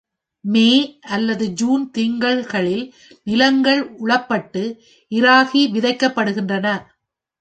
மே அல்லது ஜூன் திங்கள்களில் நிலங்கள் உழப்பட்டு, இராகி விதைக்கப்படுகிறது.